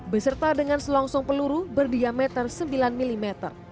beserta dengan selongsong peluru berdiameter sembilan mm